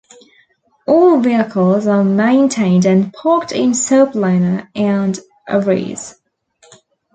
All vehicles are maintained and parked in Sopelana and Ariz.